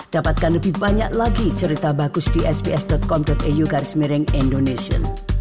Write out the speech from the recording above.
dapatkan lebih banyak lagi cerita bagus di sps com eu garis miring indonesia